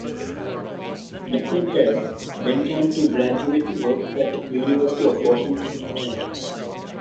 McIntyre went on to do graduate work at University of Washington in genetics.